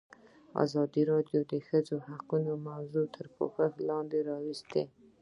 ازادي راډیو د د ښځو حقونه موضوع تر پوښښ لاندې راوستې.